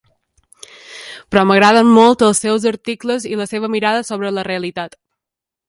Però m’agraden molt els seus articles i la seva mirada sobre la realitat.